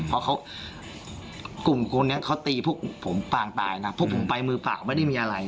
เพราะเขากลุ่มคนนี้เขาตีพวกผมปางตายนะพวกผมไปมือเปล่าไม่ได้มีอะไร